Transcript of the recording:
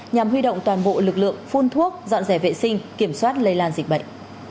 nhằm huy động toàn bộ lực lượng phun thuốc dọn rẻ vệ sinh kiểm soát lây lan dịch bệnh